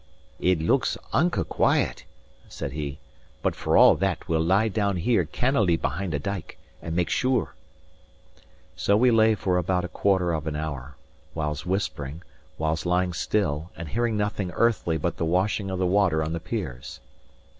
"It looks unco' quiet," said he; "but for all that we'll lie down here cannily behind a dyke, and make sure." So we lay for about a quarter of an hour, whiles whispering, whiles lying still and hearing nothing earthly but the washing of the water on the piers.